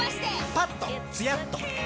パッとツヤっとピーン！